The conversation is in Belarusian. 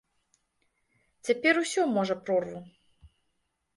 Цяпер усё можа прорву.